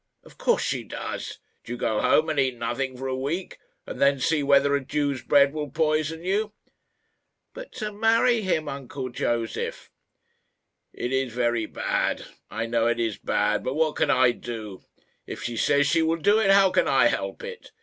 "Of course she does. Do you go home and eat nothing for a week, and then see whether a Jew's bread will poison you." "But to marry him, uncle Josef!" "It is very bad. I know it is bad, but what can I do? If she says she will do it, how can I help it?